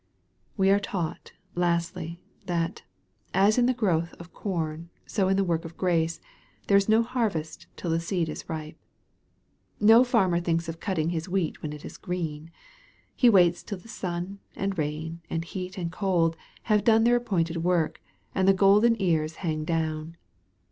We are taught, lastly, that, as in the growth of corn, so in the work of grace, there is no harvest till the seed is ripe. No farmer thinks of cutting his wheat when it is green. He waits till the sun, and rain, and heat, and cold, have done their appointed work, and the golden ears hang down.